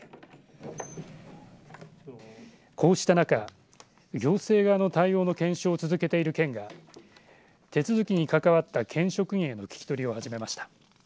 こうした中、行政側の対応の検証を続けている県が手続きに関わった県職員への聞き取りを始めました。